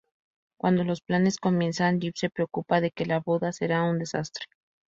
Cuando los planes comienzan, Jim se preocupa de que la boda será un desastre.